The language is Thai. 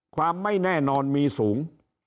ความไม่แน่นอนมีสูง